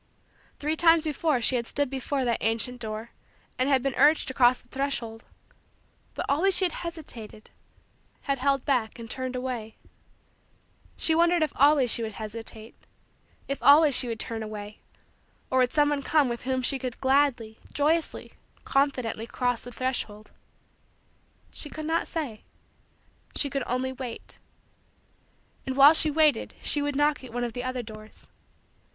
Three times before she had stood before that ancient door and had been urged to cross the threshold; but always she had hesitated, had held back, and turned away. She wondered if always she would hesitate, if always she would turn away; or would some one come with whom she could gladly, joyously, confidently, cross the threshold. She could not say. She could only wait. And while she waited she would knock at one of the other doors.